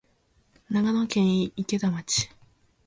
長野県池田町